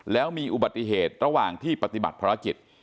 แล้วมีอุบัติเหตุระหว่างที่ปฏิบัติภารกิจ